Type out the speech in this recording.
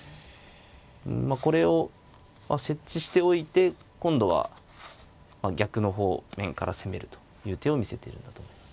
まあこれを設置しておいて今度は逆の方面から攻めるという手を見せているんだと思います。